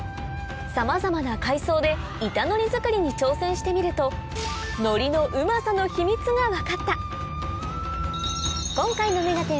さまざまな海藻で板のり作りに挑戦してみるとのりのうまさの秘密が分かった今回の『目がテン！』